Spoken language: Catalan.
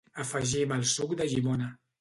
Afegim el suc de llimona.